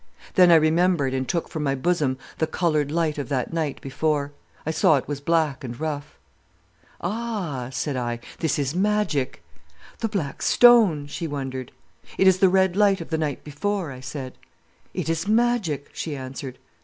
"Then I remembered and took from my bosom the coloured light of that night before. I saw it was black and rough. "'Ah,' said I, 'this is magic.' "'The black stone!' she wondered. "'It is the red light of the night before,' I said. "'It is magic,' she answered.